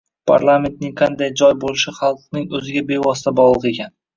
– parlamentning qanday joy bo‘lishi xalqning o‘ziga bevosita bog‘liq ekan.